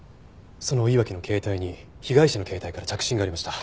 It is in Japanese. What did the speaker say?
その岩城の携帯に被害者の携帯から着信がありました。